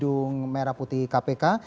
gedung merah putih kpk